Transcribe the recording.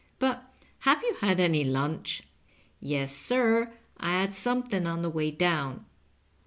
But have you had any lunch 2 "" Yes, sir, I had something on the way down."